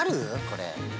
これ。